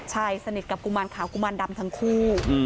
ใช่สนิทกับกุมารขาวกุมารดำทั้งคู่